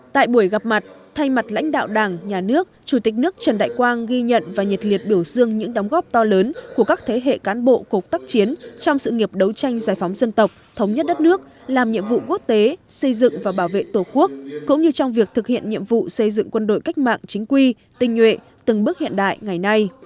tại buổi gặp mặt thay mặt lãnh đạo đảng nhà nước chủ tịch nước trần đại quang ghi nhận và nhiệt liệt biểu dương những đóng góp to lớn của các thế hệ cán bộ cục tắc chiến trong sự nghiệp đấu tranh giải phóng dân tộc thống nhất đất nước làm nhiệm vụ quốc tế xây dựng và bảo vệ tổ quốc cũng như trong việc thực hiện nhiệm vụ xây dựng quân đội cách mạng chính quy tinh nguyện từng bước hiện đại ngày nay